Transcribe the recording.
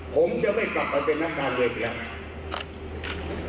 ผมจะไม่กลับไปเป็นนักการเรียกแล้ว